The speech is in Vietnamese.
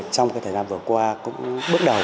trong thời gian vừa qua cũng bước đầu